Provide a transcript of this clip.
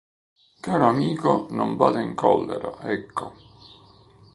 Caro amico, non vada in collera, ecco!